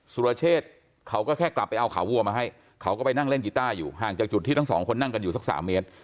สุรเชษเขาก็แค่กลับไปเอาขาวัวมาให้เขาก็ไปนั่งเล่นกีต้าอยู่ห่างจากจุดที่ทั้งสองคนนั่งกันอยู่สักสามเมตร